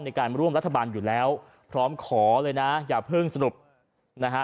ในการร่วมรัฐบาลอยู่แล้วพร้อมขอเลยนะอย่าเพิ่งสรุปนะฮะ